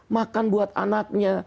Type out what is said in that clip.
makan buat anaknya